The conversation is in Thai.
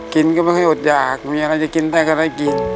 กินก็ไม่ค่อยอดอยากมีอะไรจะกินได้ก็ได้กิน